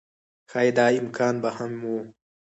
ښايي دا امکان به هم و